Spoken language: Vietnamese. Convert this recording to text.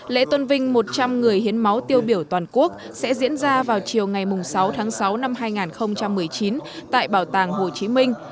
lễ tôn vinh một trăm linh người hiến máu tiêu biểu toàn quốc sẽ diễn ra vào chiều ngày sáu tháng sáu năm hai nghìn một mươi chín tại bảo tàng hồ chí minh